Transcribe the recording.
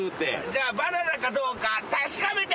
じゃあバナナかどうか確かめて！